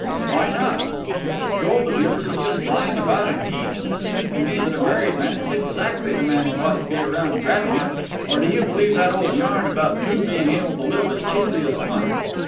"Why not? If this gold of yours is just lying about in heaps it seems to me that a married man is exactly the man who ought to be around grabbing it. Or do you believe that old yarn about two being able to live as cheaply as one?